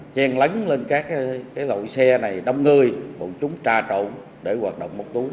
chen lấn lên các lội xe này đông ngươi bọn chúng tra trộn để hoạt động móc túi